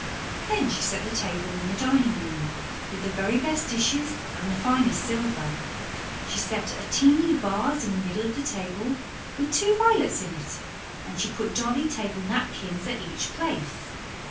Then she set the table in the dining room with the very best dishes and the finest silver. She set a teeny vase in the middle of the table, with two violets in it, and she put dolly table napkins at each place.